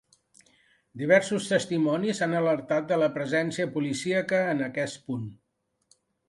Diversos testimonis han alertat de la presència policíaca en aquest punt.